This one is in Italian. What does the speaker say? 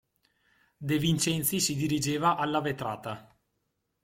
De Vincenzi si dirigeva alla vetrata.